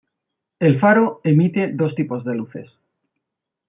El faro emite dos tipos de luces.